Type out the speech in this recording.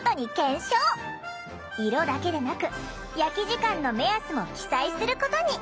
色だけでなく焼き時間の目安も記載することに！